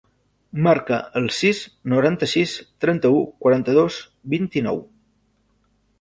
Marca el sis, noranta-sis, trenta-u, quaranta-dos, vint-i-nou.